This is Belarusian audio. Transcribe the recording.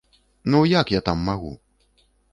Ну як я там магу?